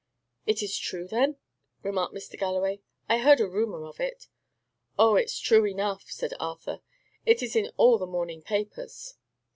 "It is true, then?" remarked Mr. Galloway. "I heard a rumour of it." "Oh, it's true enough," said Arthur. "It is in all the morning papers."